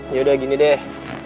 yaudah gini deh